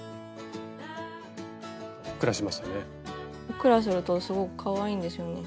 ふっくらするとすごくかわいいんですよね。